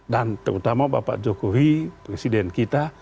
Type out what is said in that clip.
dan terutama pak jokowi presiden kita